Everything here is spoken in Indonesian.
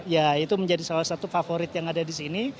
ya itu menjadi salah satu favorit yang ada di sini